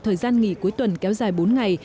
thời gian nghỉ cuối tuần kéo dài bốn ngày